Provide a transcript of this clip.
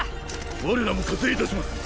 我らも加勢いたします。